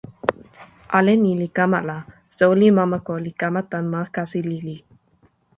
ale ni li kama la, soweli Mamako li kama tan ma kasi lili.